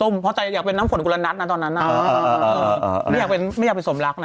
ไม่อยากเป็นสมรักนะ